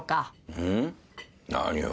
うん？何を。